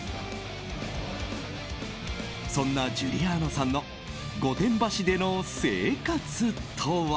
そんなジュリアーノさんの御殿場市での生活とは。